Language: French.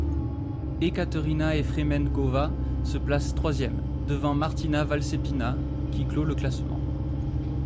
Ekaterina Efremenkova se place troisième, devant Martina Valcepina qui clôt le classement.